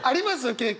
経験。